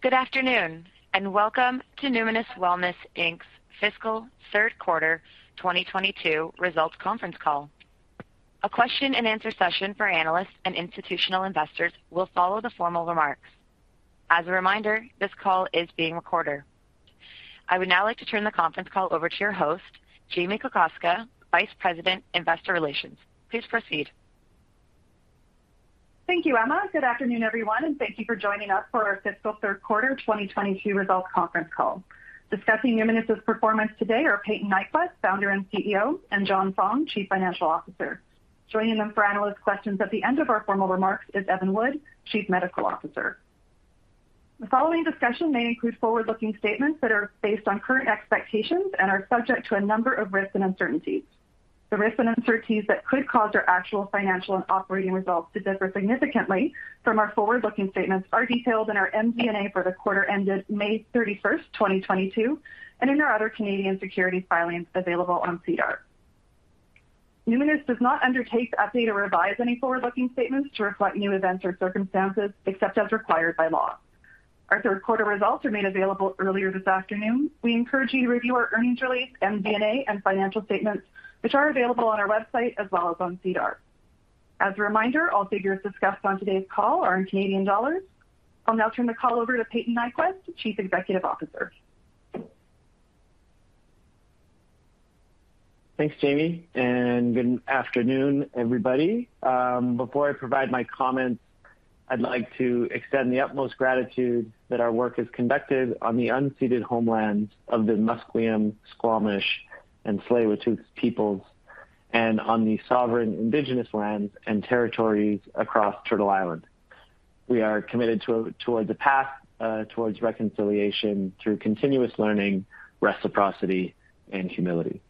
Good afternoon, and welcome to Numinus Wellness Inc.'s Fiscal Third Quarter 2022 Results Conference Call. A question and answer session for analysts and institutional investors will follow the formal remarks. As a reminder, this call is being recorded. I would now like to turn the conference call over to your host, Jamie Kokoska, Vice President, Investor Relations. Please proceed. Thank you, Emma. Good afternoon, everyone, and thank you for joining us for our fiscal third quarter 2022 results conference call. Discussing Numinus's performance today are Payton Nyquvest, Founder and CEO, and John Fong, Chief Financial Officer. Joining them for analyst questions at the end of our formal remarks is Evan Wood, Chief Medical Officer. The following discussion may include forward-looking statements that are based on current expectations and are subject to a number of risks and uncertainties. The risks and uncertainties that could cause our actual financial and operating results to differ significantly from our forward-looking statements are detailed in our MD&A for the quarter ended May 31st, 2022, and in our other Canadian securities filings available on SEDAR. Numinus does not undertake to update or revise any forward-looking statements to reflect new events or circumstances except as required by law. Our third quarter results were made available earlier this afternoon. We encourage you to review our earnings release, MD&A, and financial statements, which are available on our website as well as on SEDAR. As a reminder, all figures discussed on today's call are in Canadian dollars. I'll now turn the call over to Payton Nyquvest, Chief Executive Officer. Thanks, Jamie, and good afternoon, everybody. Before I provide my comments, I'd like to extend the utmost gratitude that our work is conducted on the unceded homelands of the Musqueam, Squamish, and Tsleil-Waututh peoples and on the sovereign indigenous lands and territories across Turtle Island. We are committed toward the path towards reconciliation through continuous learning, reciprocity, and humility.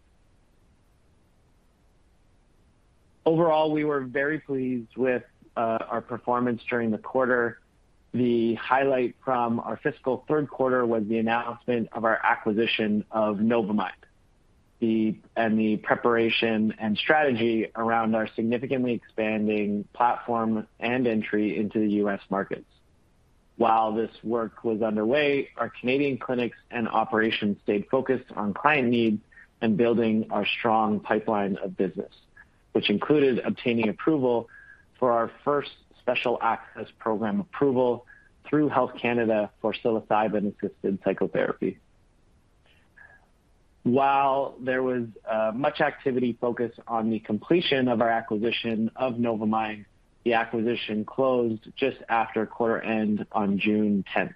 Overall, we were very pleased with our performance during the quarter. The highlight from our fiscal third quarter was the announcement of our acquisition of Novamind, and the preparation and strategy around our significantly expanding platform and entry into the U.S. markets. While this work was underway, our Canadian clinics and operations stayed focused on client needs and building our strong pipeline of business, which included obtaining approval for our first Special Access Program approval through Health Canada for psilocybin-assisted psychotherapy. While there was much activity focused on the completion of our acquisition of Novamind, the acquisition closed just after quarter end on June 10th.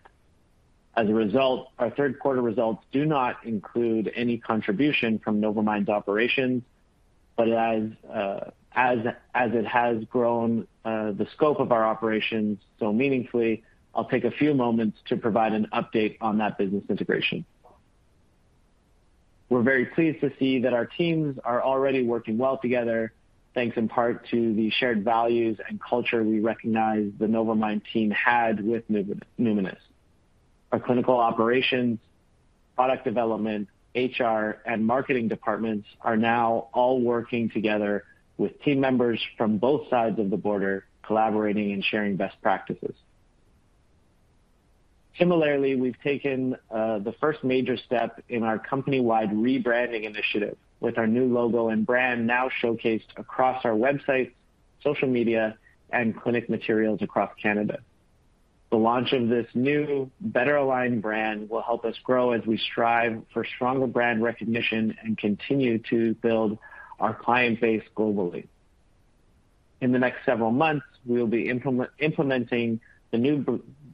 As a result, our third quarter results do not include any contribution from Novamind's operations, but as it has grown, the scope of our operations so meaningfully, I'll take a few moments to provide an update on that business integration. We're very pleased to see that our teams are already working well together thanks in part to the shared values and culture we recognize the Novamind team had with Numinus. Our clinical operations, product development, HR, and marketing departments are now all working together with team members from both sides of the border, collaborating and sharing best practices. Similarly, we've taken the first major step in our company-wide rebranding initiative with our new logo and brand now showcased across our websites, social media, and clinic materials across Canada. The launch of this new, better aligned brand will help us grow as we strive for stronger brand recognition and continue to build our client base globally. In the next several months, we will be implementing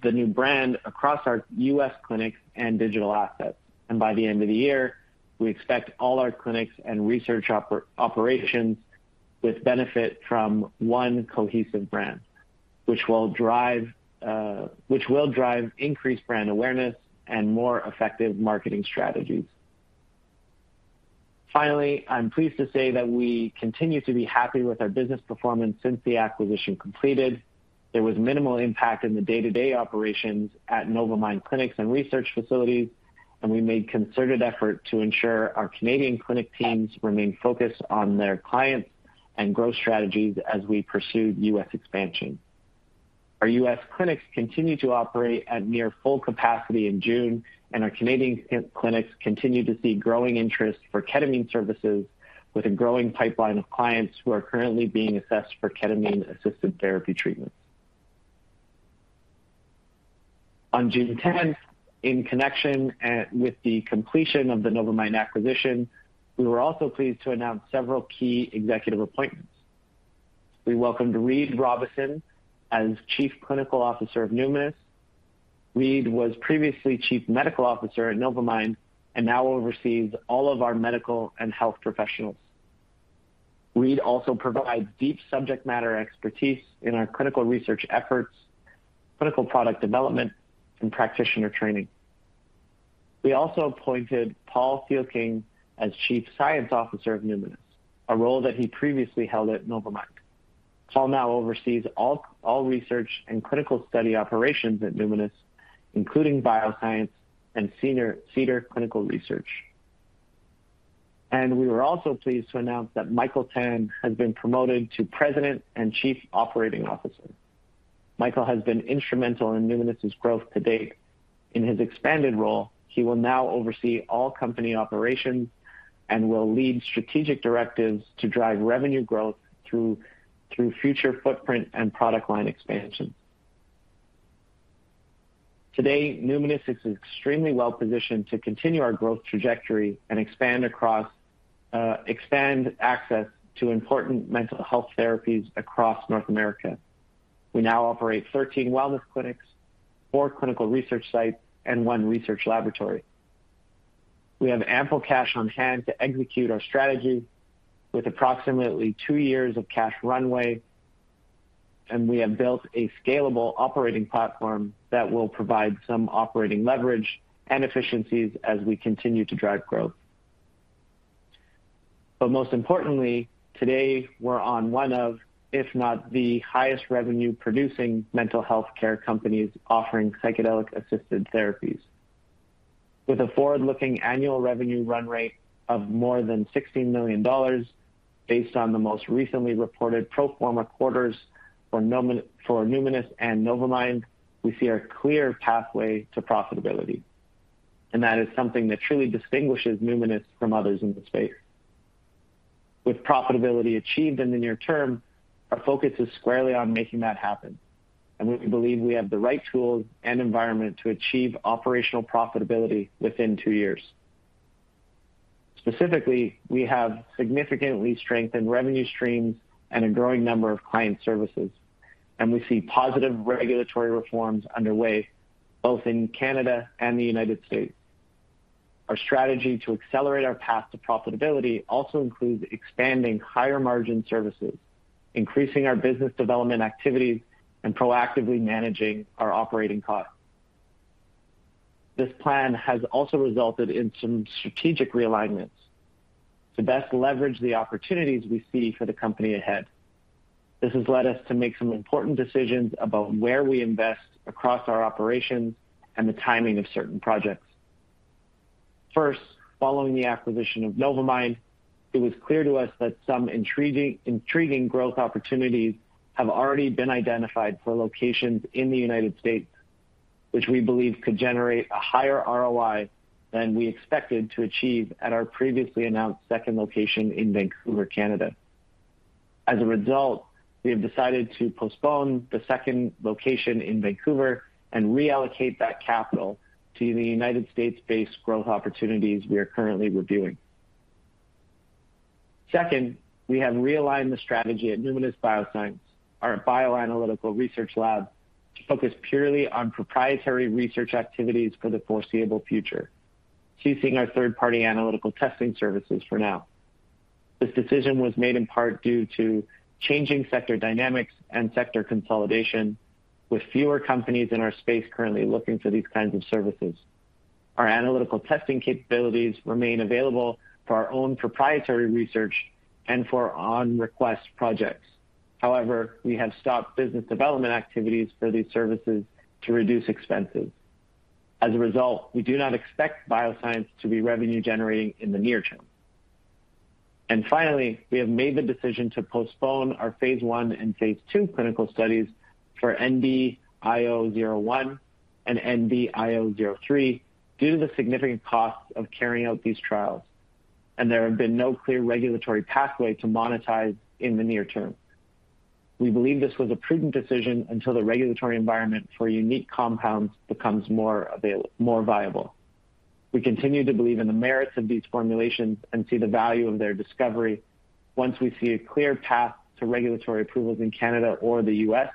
the new brand across our U.S clinics and digital assets, and by the end of the year, we expect all our clinics and research operations will benefit from one cohesive brand, which will drive increased brand awareness and more effective marketing strategies. Finally, I'm pleased to say that we continue to be happy with our business performance since the acquisition completed. There was minimal impact in the day-to-day operations at Novamind clinics and research facilities, and we made concerted effort to ensure our Canadian clinic teams remain focused on their clients and growth strategies as we pursue U.S. expansion. Our U.S. clinics continue to operate at near full capacity in June, and our Canadian clinics continue to see growing interest for ketamine services with a growing pipeline of clients who are currently being assessed for ketamine-assisted therapy treatments. On June 10th, in connection with the completion of the Novamind acquisition, we were also pleased to announce several key executive appointments. We welcomed Reid Robison as Chief Clinical Officer of NUMIF. Reid was previously Chief Medical Officer at Novamind and now oversees all of our medical and health professionals. Reid also provides deep subject matter expertise in our clinical research efforts, clinical product development, and practitioner training. We also appointed Paul Thielking as Chief Science Officer of NUMIF, a role that he previously held at Novamind. Paul now oversees all research and clinical study operations at Numinus, including bioscience and Cedar Clinical Research. We were also pleased to announce that Michael Tan has been promoted to President and Chief Operating Officer. Michael has been instrumental in Numinus's growth to date. In his expanded role, he will now oversee all company operations and will lead strategic directives to drive revenue growth through future footprint and product line expansion. Today, Numinus is extremely well-positioned to continue our growth trajectory and expand access to important mental health therapies across North America. We now operate 13 wellness clinics, four clinical research sites, and one research laboratory. We have ample cash on hand to execute our strategy with approximately two years of cash runway. We have built a scalable operating platform that will provide some operating leverage and efficiencies as we continue to drive growth. Most importantly, today we're one of, if not the highest revenue-producing mental health care companies offering psychedelic-assisted therapies. With a forward-looking annual revenue run rate of more than 16 million dollars based on the most recently reported pro forma quarters for Numinus and Novamind, we see a clear pathway to profitability. That is something that truly distinguishes Numinus from others in the space. With profitability achieved in the near term, our focus is squarely on making that happen. We believe we have the right tools and environment to achieve operational profitability within two years. Specifically, we have significantly strengthened revenue streams and a growing number of client services, and we see positive regulatory reforms underway both in Canada and the United States. Our strategy to accelerate our path to profitability also includes expanding higher-margin services, increasing our business development activities, and proactively managing our operating costs. This plan has also resulted in some strategic realignments to best leverage the opportunities we see for the company ahead. This has led us to make some important decisions about where we invest across our operations and the timing of certain projects. First, following the acquisition of Novamind, it was clear to us that some intriguing growth opportunities have already been identified for locations in the United States, which we believe could generate a higher ROI than we expected to achieve at our previously announced second location in Vancouver, Canada. As a result, we have decided to postpone the second location in Vancouver and reallocate that capital to the United States-based growth opportunities we are currently reviewing. Second, we have realigned the strategy at Numinus Bioscience, our bioanalytical research lab, to focus purely on proprietary research activities for the foreseeable future, ceasing our third-party analytical testing services for now. This decision was made in part due to changing sector dynamics and sector consolidation, with fewer companies in our space currently looking for these kinds of services. Our analytical testing capabilities remain available for our own proprietary research and for on-request projects. However, we have stopped business development activities for these services to reduce expenses. As a result, we do not expect bioscience to be revenue-generating in the near term. Finally, we have made the decision to postpone our phase I and phase II clinical studies for NBIO-01 and NBIO-03 due to the significant cost of carrying out these trials. There have been no clear regulatory pathway to monetize in the near term. We believe this was a prudent decision until the regulatory environment for unique compounds becomes more viable. We continue to believe in the merits of these formulations and see the value of their discovery. Once we see a clear path to regulatory approvals in Canada or the U.S.,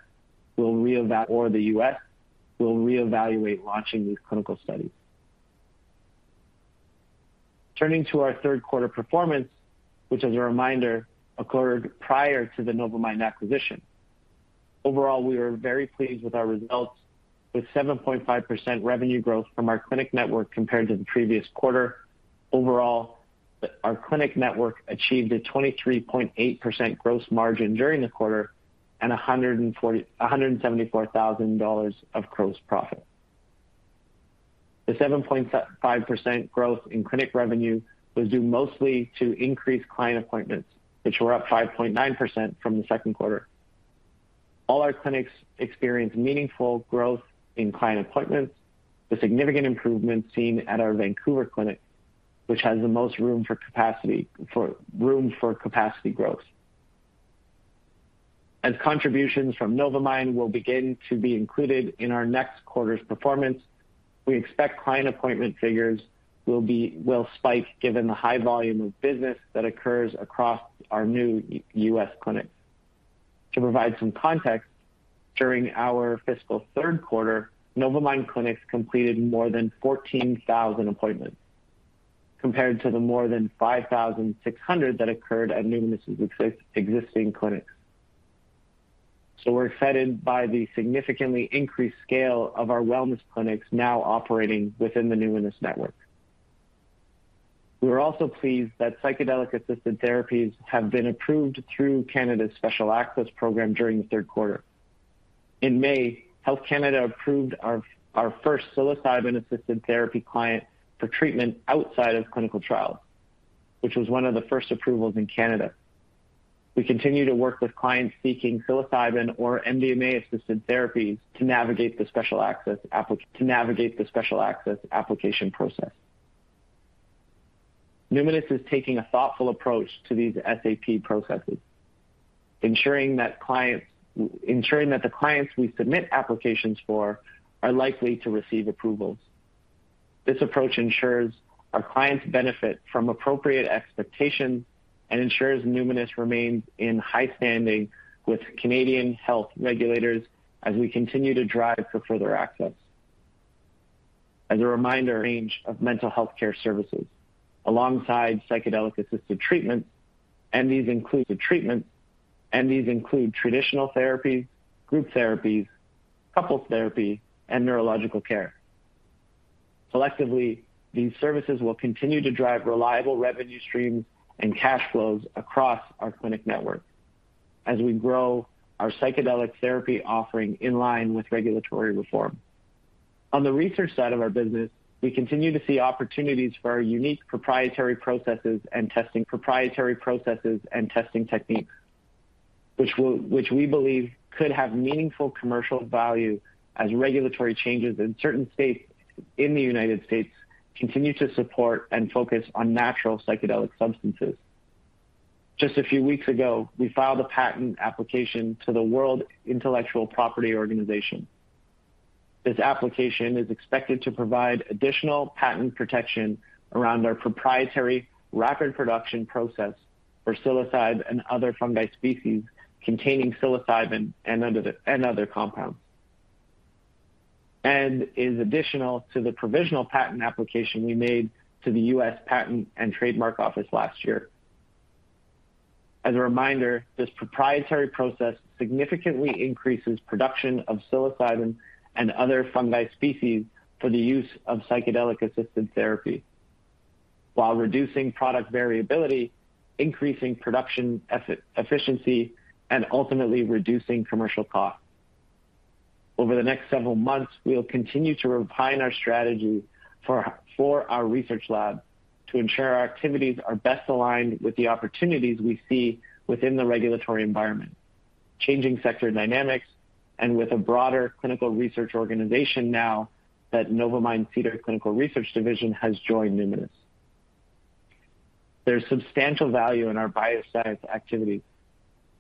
we'll reevaluate launching these clinical studies. Turning to our third quarter performance, which as a reminder, occurred prior to the Novamind acquisition. Overall, we are very pleased with our results, with 7.5% revenue growth from our clinic network compared to the previous quarter. Overall, our clinic network achieved a 23.8% gross margin during the quarter and 174,000 dollars of gross profit. The 7.5% growth in clinic revenue was due mostly to increased client appointments, which were up 5.9% from the second quarter. All our clinics experienced meaningful growth in client appointments, with significant improvements seen at our Vancouver clinic, which has the most room for capacity growth. As contributions from Novamind will begin to be included in our next quarter's performance, we expect client appointment figures will spike given the high volume of business that occurs across our new U.S. clinics. To provide some context, during our fiscal third quarter, Novamind clinics completed more than 14,000 appointments, compared to the more than 5,600 that occurred at Numinus's existing clinics. We're excited by the significantly increased scale of our wellness clinics now operating within the Numinus network. We were also pleased that psychedelic-assisted therapies have been approved through Canada's Special Access Program during the third quarter. In May, Health Canada approved our first psilocybin-assisted therapy client for treatment outside of clinical trials, which was one of the first approvals in Canada. We continue to work with clients seeking psilocybin or MDMA-assisted therapies to navigate the special access application process. Numinus is taking a thoughtful approach to these SAP processes, ensuring that the clients we submit applications for are likely to receive approvals. This approach ensures our clients benefit from appropriate expectations and ensures Numinus remains in high standing with Canadian health regulators as we continue to drive for further access. As a reminder, range of mental health care services alongside psychedelic-assisted treatment. These include traditional therapies, group therapies, couples therapy, and neurological care. Collectively, these services will continue to drive reliable revenue streams and cash flows across our clinic network as we grow our psychedelic therapy offering in line with regulatory reform. On the research side of our business, we continue to see opportunities for our unique proprietary processes and testing techniques, which we believe could have meaningful commercial value as regulatory changes in certain states in the United States continue to support and focus on natural psychedelic substances. Just a few weeks ago, we filed a patent application to the World Intellectual Property Organization. This application is expected to provide additional patent protection around our proprietary rapid production process for Psilocybe and other fungi species containing Psilocybin and other compounds, and is additional to the provisional patent application we made to the U.S. Patent and Trademark Office last year. As a reminder, this proprietary process significantly increases production of psilocybin and other fungi species for the use of psychedelic-assisted therapy while reducing product variability, increasing production efficiency, and ultimately reducing commercial costs. Over the next several months, we will continue to refine our strategy for our research lab to ensure our activities are best aligned with the opportunities we see within the regulatory environment, changing sector dynamics, and with a broader clinical research organization now that Novamind Cedar Clinical Research Division has joined Numinus. There's substantial value in our bioscience activities,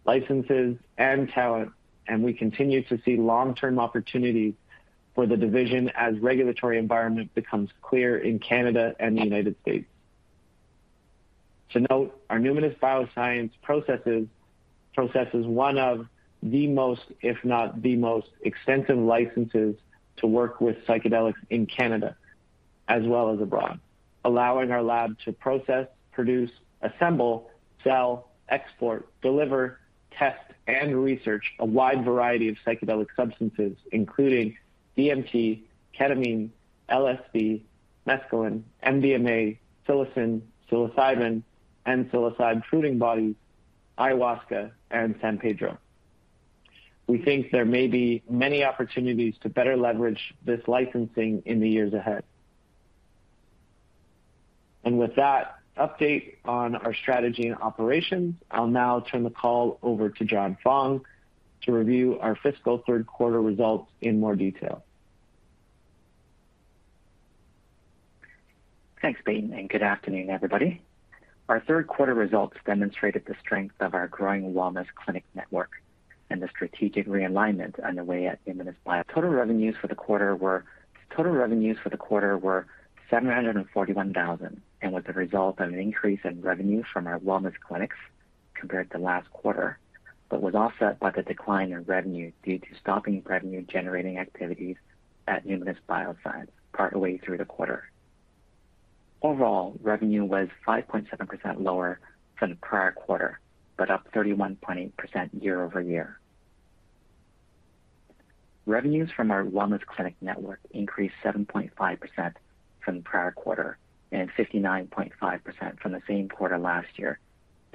licenses, and talent, and we continue to see long-term opportunities for the division as regulatory environment becomes clear in Canada and the United States. To note, our Numinus Bioscience processes one of the most, if not the most extensive licenses to work with psychedelics in Canada as well as abroad, allowing our lab to process, produce, assemble, sell, export, deliver, test, and research a wide variety of psychedelic substances, including DMT, ketamine, LSD, mescaline, MDMA, psilocin, psilocybin, and Psilocybe fruiting bodies, ayahuasca, and San Pedro. We think there may be many opportunities to better leverage this licensing in the years ahead. With that update on our strategy and operations, I'll now turn the call over to John Fong to review our fiscal third quarter results in more detail. Thanks, Payton, and good afternoon, everybody. Our third quarter results demonstrated the strength of our growing wellness clinic network and the strategic realignment underway at Numinus Bioscience. Total revenues for the quarter were 741,000 and was the result of an increase in revenue from our wellness clinics compared to last quarter, but was offset by the decline in revenue due to stopping revenue-generating activities at Numinus Bioscience partway through the quarter. Overall, revenue was 5.7% lower than the prior quarter, but up 31.8% year-over-year. Revenues from our wellness clinic network increased 7.5% from the prior quarter and 59.5% from the same quarter last year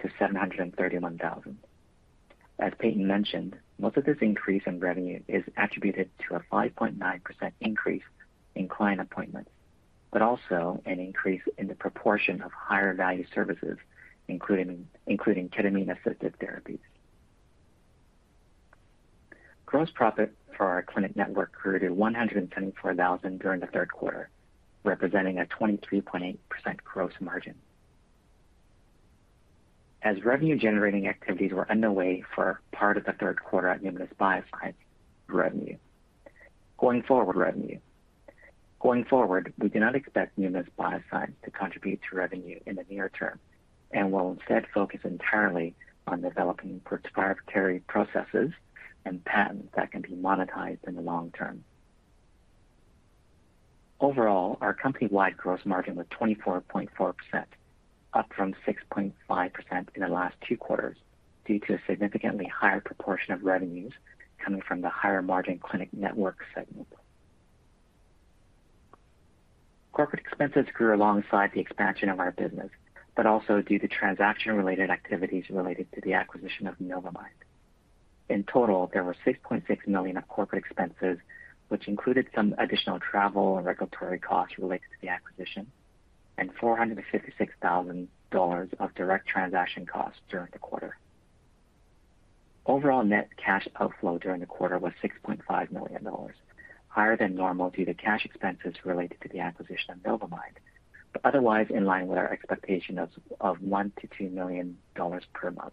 to 731,000. As Payton mentioned, most of this increase in revenue is attributed to a 5.9% increase in client appointments, but also an increase in the proportion of higher-value services, including ketamine-assisted therapies. Gross profit for our clinic network grew to 124,000 during the third quarter, representing a 23.8% gross margin. As revenue-generating activities were underway for part of the third quarter at Numinus Bioscience. Going forward, we do not expect Numinus Bioscience to contribute to revenue in the near term and will instead focus entirely on developing proprietary processes and patents that can be monetized in the long term. Overall, our company-wide gross margin was 24.4%, up from 6.5% in the last two quarters, due to a significantly higher proportion of revenues coming from the higher-margin clinic network segment. Corporate expenses grew alongside the expansion of our business, but also due to transaction-related activities related to the acquisition of Novamind. In total, there were 6.6 million of corporate expenses, which included some additional travel and regulatory costs related to the acquisition and 456,000 dollars of direct transaction costs during the quarter. Overall net cash outflow during the quarter was 6.5 million dollars, higher than normal due to cash expenses related to the acquisition of Novamind, but otherwise in line with our expectation of 1 million to 2 million per month.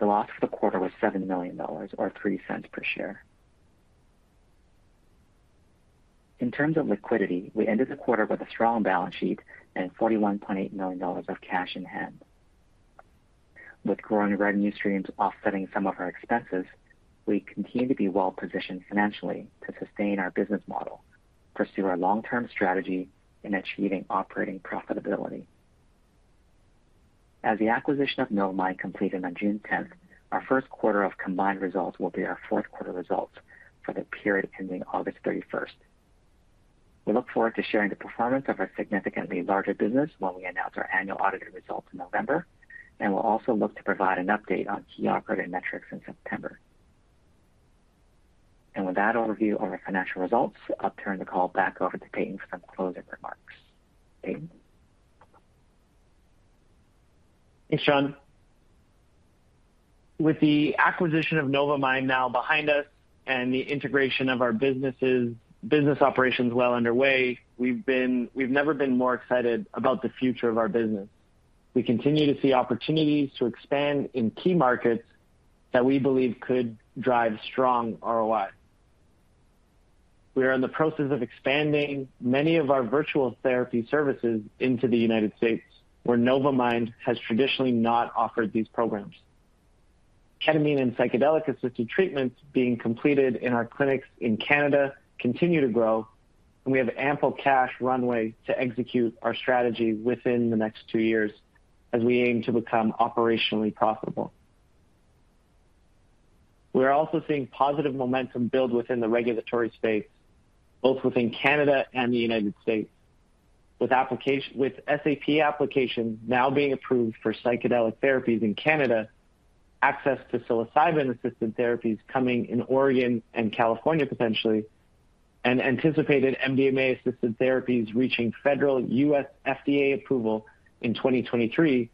The loss for the quarter was 7 million dollars or 0.03 per share. In terms of liquidity, we ended the quarter with a strong balance sheet and 41.8 million dollars of cash in hand. With growing revenue streams offsetting some of our expenses, we continue to be well positioned financially to sustain our business model, pursue our long-term strategy in achieving operating profitability. As the acquisition of Novamind completed on June 10th, our first quarter of combined results will be our fourth quarter results for the period ending August 31st. We look forward to sharing the performance of our significantly larger business when we announce our annual audited results in November, and we'll also look to provide an update on key operating metrics in September. With that overview of our financial results, I'll turn the call back over to Payton for some closing remarks. Payton. Thanks, John. With the acquisition of Novamind now behind us and the integration of our businesses, business operations well underway, we've never been more excited about the future of our business. We continue to see opportunities to expand in key markets that we believe could drive strong ROI. We are in the process of expanding many of our virtual therapy services into the United States, where Novamind has traditionally not offered these programs. Ketamine and psychedelic-assisted treatments being completed in our clinics in Canada continue to grow, and we have ample cash runway to execute our strategy within the next two years as we aim to become operationally profitable. We are also seeing positive momentum build within the regulatory space, both within Canada and the United States. With SAP applications now being approved for psychedelic therapies in Canada, access to psilocybin-assisted therapies coming in Oregon and California potentially, and anticipated MDMA-assisted therapies reaching federal U.S. FDA approval in 2023,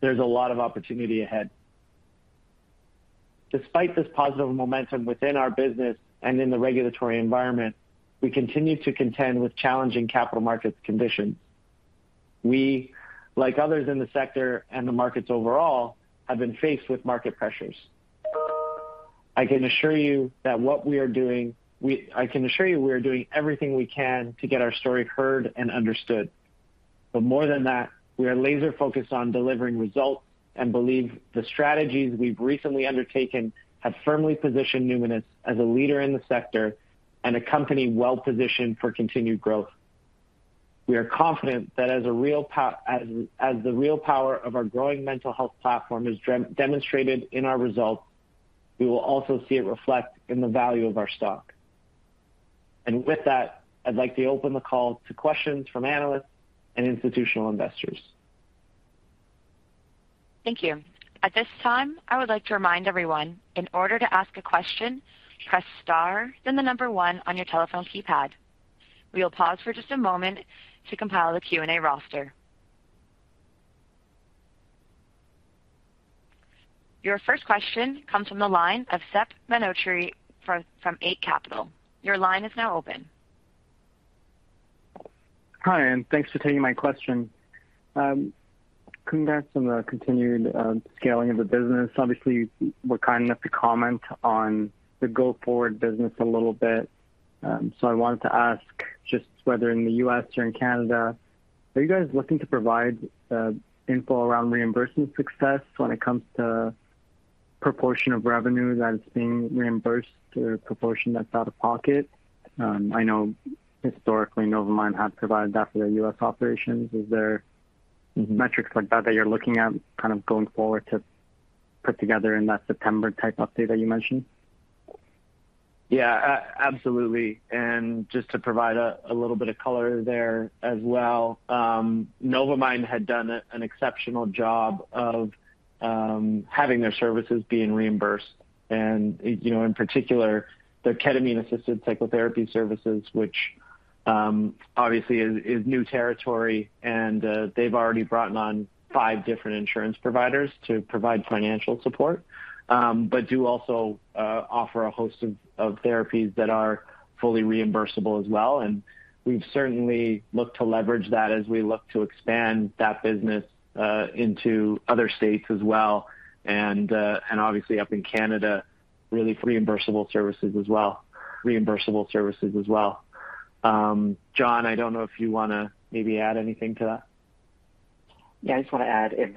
there's a lot of opportunity ahead. Despite this positive momentum within our business and in the regulatory environment, we continue to contend with challenging capital markets conditions. We, like others in the sector and the markets overall, have been faced with market pressures. I can assure you we are doing everything we can to get our story heard and understood. More than that, we are laser-focused on delivering results and believe the strategies we've recently undertaken have firmly positioned Numinus as a leader in the sector and a company well positioned for continued growth. We are confident that the real power of our growing mental health platform is demonstrated in our results, we will also see it reflect in the value of our stock. With that, I'd like to open the call to questions from analysts and institutional investors. Thank you. At this time, I would like to remind everyone, in order to ask a question, press star then the number one on your telephone keypad. We will pause for just a moment to compile the Q&A roster. Your first question comes from the line of Sep Manochehry from Eight Capital. Your line is now open. Hi, and thanks for taking my question. Congrats on the continued scaling of the business. Obviously, you were kind enough to comment on the go-forward business a little bit. I wanted to ask just whether in the U.S. or in Canada, are you guys looking to provide info around reimbursement success when it comes to proportion of revenue that is being reimbursed or proportion that's out-of-pocket? I know historically Novamind had provided that for their U.S. operations. Is there metrics like that you're looking at kind of going forward to put together in that September type update that you mentioned? Yeah. Absolutely. Just to provide a little bit of color there as well. Novamind had done an exceptional job of having their services being reimbursed and, you know, in particular their ketamine-assisted psychotherapy services, which obviously is new territory and they've already brought on five different insurance providers to provide financial support. But do also offer a host of therapies that are fully reimbursable as well, and we've certainly looked to leverage that as we look to expand that business into other states as well and obviously up in Canada, really reimbursable services as well. John, I don't know if you wanna maybe add anything to that. Yeah. I just want to add if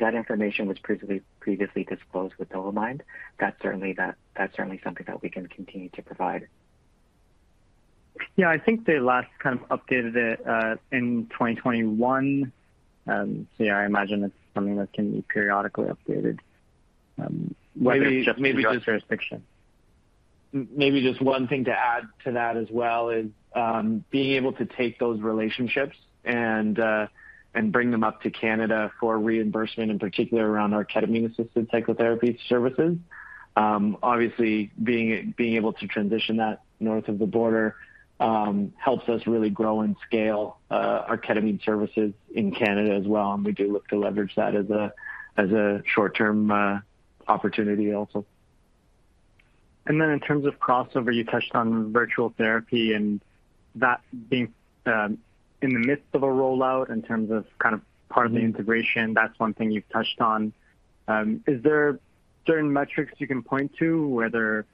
that information was previously disclosed with Novamind, that's certainly something that we can continue to provide. Yeah. I think they last kind of updated it in 2021. Yeah, I imagine it's something that can be periodically updated. Maybe just jurisdiction. Maybe just one thing to add to that as well is being able to take those relationships and bring them up to Canada for reimbursement, in particular around our ketamine-assisted psychotherapy services. Obviously being able to transition that north of the border helps us really grow and scale our ketamine services in Canada as well, and we do look to leverage that as a short-term opportunity also. In terms of crossover, you touched on virtual therapy and that being in the midst of a rollout in terms of kind of part of the integration. That's one thing you've touched on. Is there certain metrics you can point to whether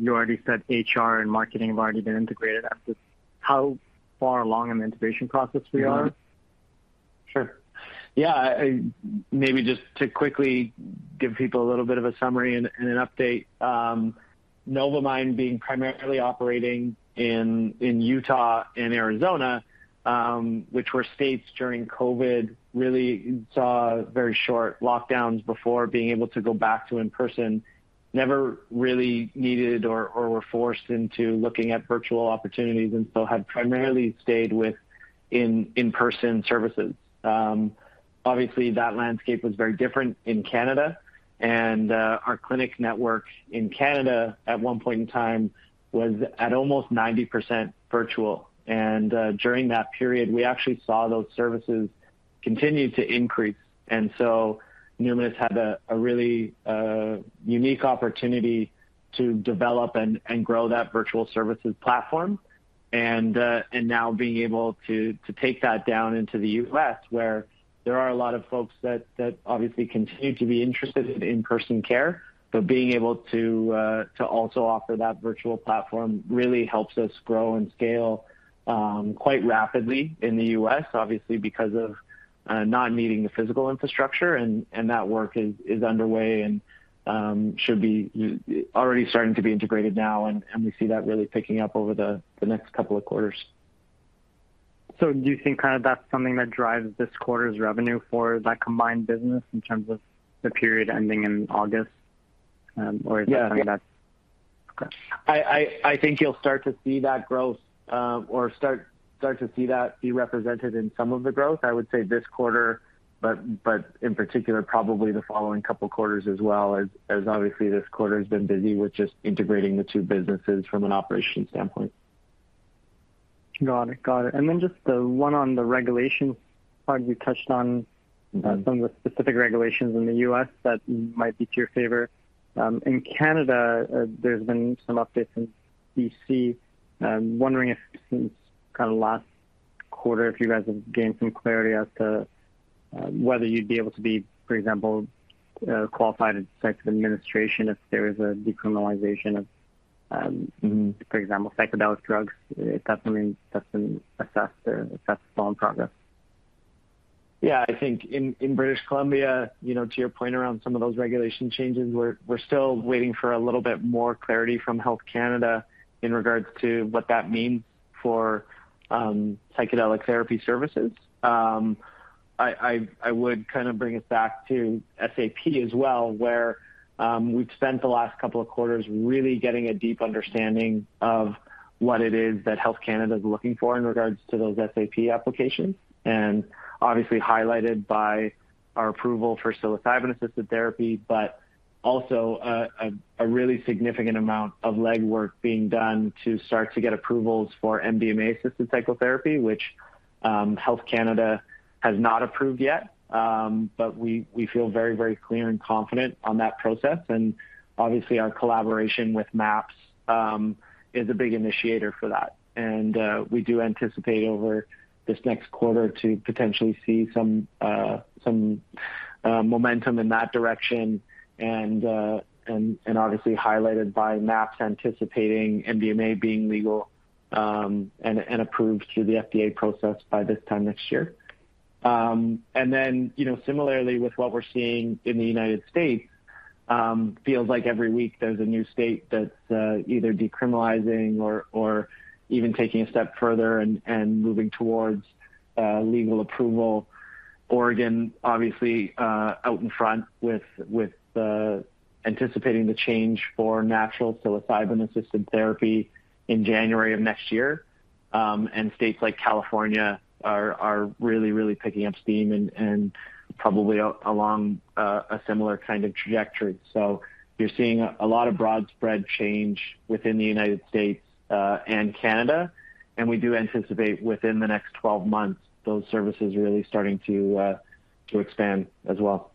you already said HR and marketing have already been integrated as to how far along in the integration process we are? Sure. Yeah. Maybe just to quickly give people a little bit of a summary and an update. Novamind being primarily operating in Utah and Arizona, which were states during COVID, really saw very short lockdowns before being able to go back to in-person, never really needed or were forced into looking at virtual opportunities, and so had primarily stayed with in-person services. Obviously, that landscape was very different in Canada, and our clinic network in Canada at one point in time was at almost 90% virtual. During that period, we actually saw those services continue to increase. Numinus had a really unique opportunity to develop and grow that virtual services platform. Now being able to take that down into the U.S. where there are a lot of folks that obviously continue to be interested in in-person care. Being able to also offer that virtual platform really helps us grow and scale quite rapidly in the U.S., obviously, because of not needing the physical infrastructure. That work is underway and should be already starting to be integrated now, and we see that really picking up over the next couple of quarters. Do you think kind of that's something that drives this quarter's revenue for that combined business in terms of the period ending in August? Or is that something that's Yeah. Okay. I think you'll start to see that growth or start to see that be represented in some of the growth. I would say this quarter, but in particular, probably the following couple quarters as well, as obviously this quarter's been busy with just integrating the two businesses from an operations standpoint. Got it. Just one on the regulation part. You touched on some of the specific regulations in the U.S. that might be to your favor. In Canada, there's been some updates in BC. I'm wondering if since kinda last quarter, if you guys have gained some clarity as to whether you'd be able to be, for example, qualified in psychedelic administration if there is a decriminalization of, for example, psychedelic drugs, if that's something that's been assessed or if that's still in progress. Yeah. I think in British Columbia, you know, to your point around some of those regulation changes, we're still waiting for a little bit more clarity from Health Canada in regards to what that means for psychedelic therapy services. I would kind of bring us back to SAP as well, where we've spent the last couple of quarters really getting a deep understanding of what it is that Health Canada is looking for in regards to those SAP applications, and obviously highlighted by our approval for psilocybin-assisted therapy, but also a really significant amount of legwork being done to start to get approvals for MDMA-assisted psychotherapy, which Health Canada has not approved yet. But we feel very, very clear and confident on that process. Obviously, our collaboration with MAPS is a big initiator for that. We do anticipate over this next quarter to potentially see some momentum in that direction and obviously highlighted by MAPS anticipating MDMA being legal and approved through the FDA process by this time next year. You know, similarly with what we're seeing in the United States, feels like every week there's a new state that's either decriminalizing or even taking a step further and moving towards legal approval. Oregon, obviously, out in front with anticipating the change for natural psilocybin-assisted therapy in January of next year. States like California are really picking up steam and probably along a similar kind of trajectory. You're seeing a lot of widespread change within the United States and Canada. We do anticipate within the next 12 months, those services really starting to expand as well.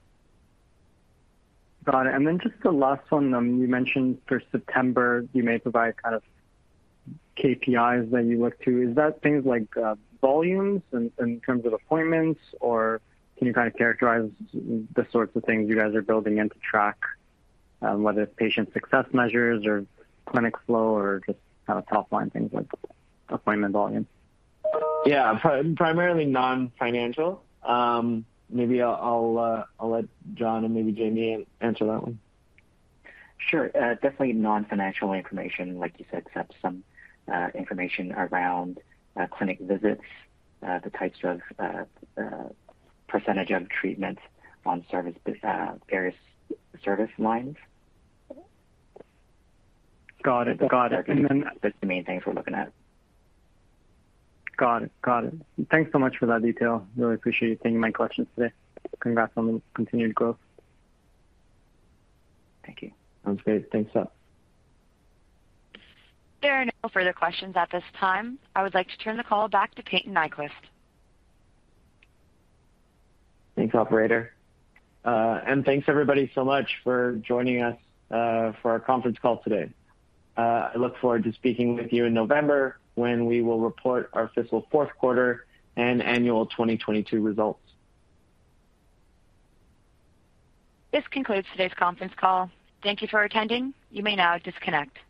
Got it. Then just the last one. You mentioned for September, you may provide kind of KPIs that you look to. Is that things like, volumes in terms of appointments, or can you kind of characterize the sorts of things you guys are building in to track, whether it's patient success measures or clinic flow or just kind of top-line things like appointment volume? Yeah. Primarily non-financial. Maybe I'll let John and maybe Jamie answer that one. Sure. Definitely non-financial information, like you said, except some information around clinic visits, the types and percentage of treatments and services, various service lines. Got it. That's the main things we're looking at. Got it. Thanks so much for that detail. Really appreciate you taking my questions today. Congrats on the continued growth. Thank you. Sounds great. Thanks. There are no further questions at this time. I would like to turn the call back to Payton Nyquvest. Thanks, operator. Thanks everybody so much for joining us for our conference call today. I look forward to speaking with you in November when we will report our fiscal fourth quarter and annual 2022 results. This concludes today's conference call. Thank you for attending. You may now disconnect.